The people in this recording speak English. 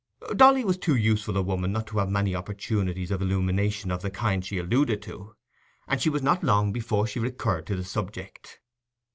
Dolly was too useful a woman not to have many opportunities of illumination of the kind she alluded to, and she was not long before she recurred to the subject.